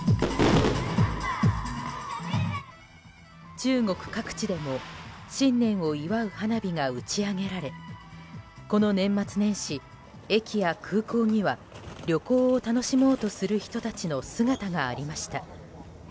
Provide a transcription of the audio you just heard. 中国各地でも新年を祝う花火が打ち上げられこの年末年始、駅や空港には旅行を楽しもうとする人たちの姿がありました。